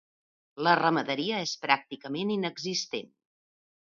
La ramaderia és pràcticament inexistent.